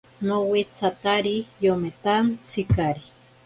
Nowetsatari yometantsikari.